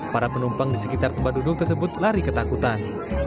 para penumpang di sekitar tempat duduk tersebut lari ketakutan